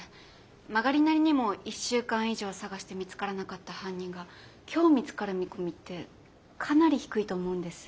曲がりなりにも１週間以上捜して見つからなかった犯人が今日見つかる見込みってかなり低いと思うんです。